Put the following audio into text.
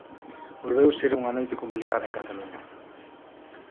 Volveu ser unha noite complicada en Cataluña.